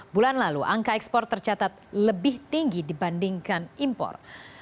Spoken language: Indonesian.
bulan lalu angka ekspor tercatat lebih tinggi dibandingkan impor